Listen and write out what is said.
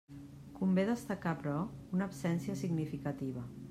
Convé destacar, però, una absència significativa.